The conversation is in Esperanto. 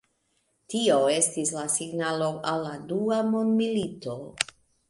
Tio estis la signalo al la dua mondmilito.